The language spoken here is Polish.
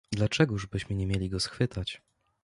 "Dlaczegóż byśmy nie mieli go schwytać."